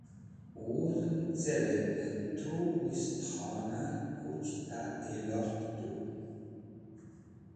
Wuzẽm careg̃hdẽ tru wist khunẽ kuch ta iyloq tu.